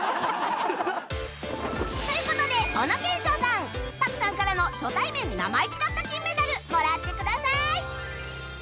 という事で小野賢章さん朴さんからの初対面生意気だった金メダルもらってくださーい！